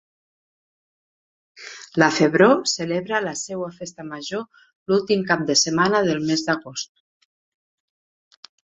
La Febró celebra la seva festa major l'últim cap de setmana del mes d'agost.